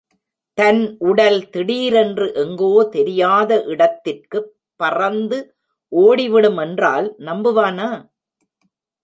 தன் உடல் திடீரென்று எங்கோ தெரியாத இடத்திற்குப் பறந்து ஓடிவிடும் என்றால் நம்புவானா?